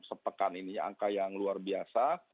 sepekan ini angka yang luar biasa